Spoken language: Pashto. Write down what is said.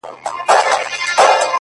o زما په ژوند کي د وختونو د بلا ياري ده،